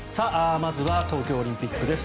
まずは東京オリンピックです。